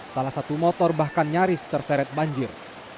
salah satu motor bahkan nyaris terseret banjir